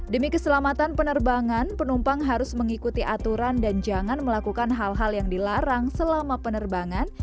demi keselamatan penerbangan penumpang harus mengikuti aturan dan jangan melakukan hal hal yang dilarang selama penerbangan